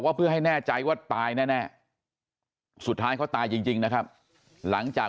เพื่อให้แน่ใจว่าตายแน่สุดท้ายเขาตายจริงนะครับหลังจาก